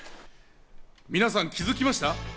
皆さん気づきました？